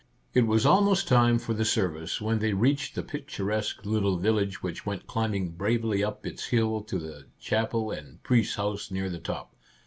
It was almost time for the service when they reached the picturesque little village which went climbing bravely up its hill to the chapel and priest's house near the top.